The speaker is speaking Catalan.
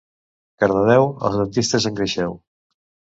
Cardedeu, els dentistes engreixeu.